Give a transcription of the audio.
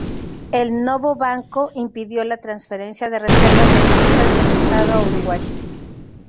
El Novo Banco impidió la transferencia de reservas de divisas del estado a Uruguay.